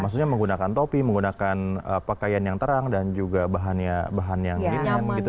maksudnya menggunakan topi menggunakan pakaian yang terang dan juga bahan yang ringan gitu